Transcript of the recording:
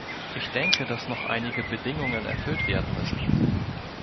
Ich denke, dass noch einige Bedingungen erfüllt werden müssen.